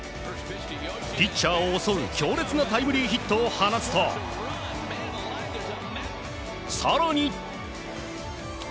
ピッチャーを襲う強烈なタイムリーヒットを放つと更に。